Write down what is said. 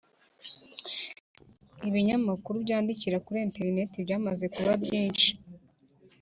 Ibinyamakuru byandikira kuri internet byamaze kuba byinshi